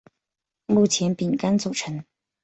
目前饼干组成。